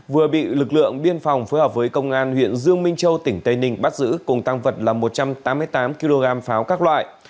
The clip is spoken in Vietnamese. vừa bị lực lượng biên phòng phối hợp với công an huyện dương minh châu tỉnh tây ninh bắt giữ cùng tăng vật là một trăm tám mươi tám kg pháo các loại